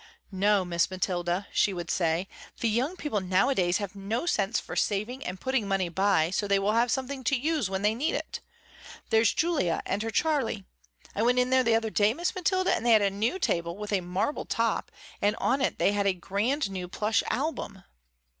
"No Miss Mathilda," she would say, "The young people nowadays have no sense for saving and putting money by so they will have something to use when they need it. There's Julia and her Charley. I went in there the other day, Miss Mathilda, and they had a new table with a marble top and on it they had a grand new plush album.